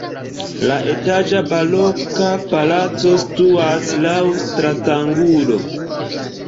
La etaĝa baroka palaco situas laŭ stratangulo.